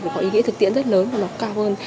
thì có ý nghĩa thực tiễn rất lớn và nó cao hơn